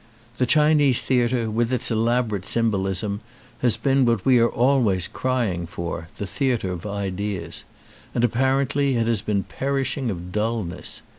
The Chinese theatre, with its elaborate symbolism, has been what we are always crying for, the theatre of ideas ; and apparently it has been perishing of dullness.